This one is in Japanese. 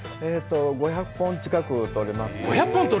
５００本近くとれますね。